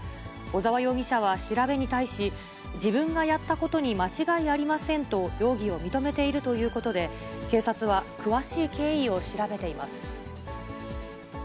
小沢容疑者は調べに対し、自分がやったことに間違いありませんと、容疑を認めているということで、警察は詳しい経緯を調べています。